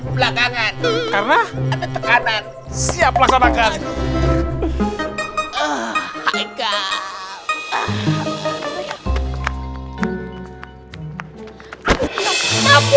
belakangan karena tekanan siap laksanakan hai kau